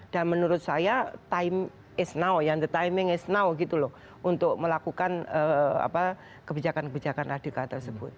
dan menurut saya time is now ya the timing is now gitu loh untuk melakukan kebijakan kebijakan radikal tersebut